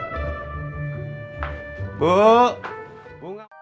kalau ibu lagi takut lah